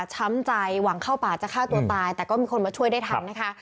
ช้ำใจหวังเข้าป่าจะฆ่าตัวตายแต่ก็มีคนมาช่วยได้ทันนะคะ